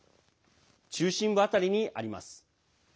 中心部辺りにあります。